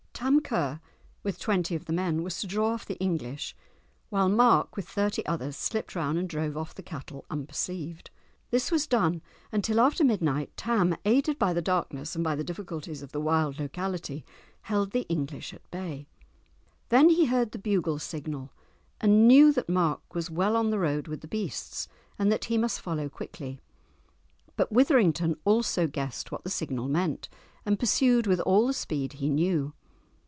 Tam Ker, with twenty of the men, was to draw off the English, while Mark with thirty others slipped round and drove off the cattle unperceived. This was done, and till after midnight, Tam, aided by the darkness and by the difficulties of the wild locality, held the English at bay. Then he heard the bugle signal, and knew that Mark was well on the road with the beasts, and that he must follow quickly. But Withrington also guessed what the signal meant, and pursued with all the speed he knew.